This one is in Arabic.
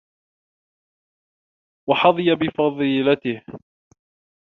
وَحَظِيَ بِفَضِيلَتِهِ